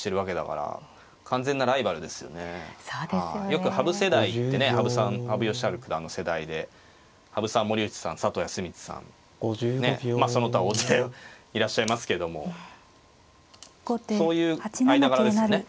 よく羽生世代ってね羽生善治九段の世代で羽生さん森内さん佐藤康光さんねえまあその他大勢いらっしゃいますけどもそういう間柄ですよね。